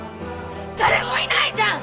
誰もいないじゃん！